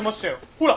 ほら。